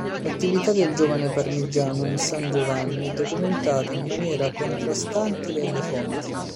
L'attività del giovane Parmigianino in San Giovanni è documentata in maniera contrastante dalle fonti.